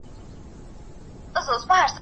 زه لیکنه په منظم ډول لیکم.